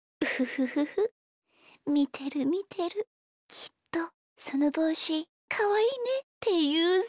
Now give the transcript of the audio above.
きっと「そのぼうしかわいいね」っていうぞ。